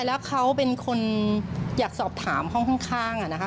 แล้วเขาเป็นคนอยากสอบถามห้องข้างนะคะ